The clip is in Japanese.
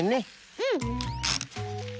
うん。